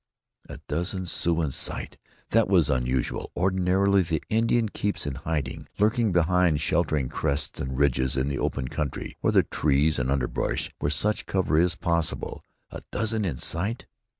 A dozen Sioux in sight! That was unusual. Ordinarily the Indian keeps in hiding, lurking behind sheltering crests and ridges in the open country, or the trees and underbrush where such cover is possible. A dozen in sight?